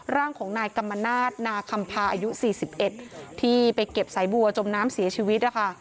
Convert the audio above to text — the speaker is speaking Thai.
ร่างของนายกรรมนาศนาคำพาอายุ๔๑ที่ไปเก็บสายบัวจมน้ำเสียชีวิตนะคะ